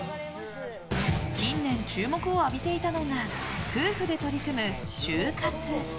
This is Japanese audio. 近年、注目を浴びていたのが夫婦で取り組む終活。